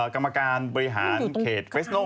กรรมการบริหารเขตเฟสโล